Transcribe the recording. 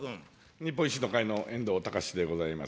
日本維新の会の遠藤敬でございます。